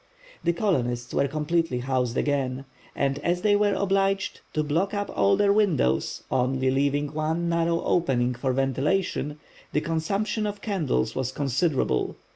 The colonists were completely housed again, and as they were obliged to block up all their windows, only leaving one narrow opening for ventilation, the consumption of candles was considerable.